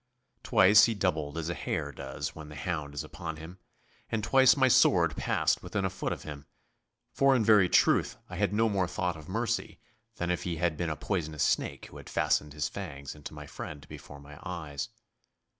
Twice he doubled as a hare does when the hound is upon him, and twice my sword passed within a foot of him, for in very truth I had no more thought of mercy than if he had been a poisonous snake who had fastened his fangs into my friend before my eyes.